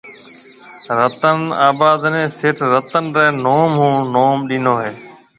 رتن آباد نيَ سيٺ رتن رَي نوم ھون نوم ڏينو ھيََََ